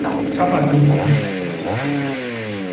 Kkapa ziri bbiri .